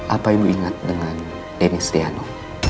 apa ibu ingat dengan dennis riano